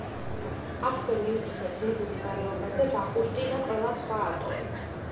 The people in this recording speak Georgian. აქვე მიუთითებს მის მდებარეობას ვახუშტი და ყველა სხვა ავტორი.